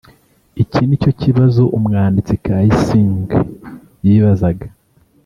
Iki nicyo kibazo umwanditsi Kaysing yibazaga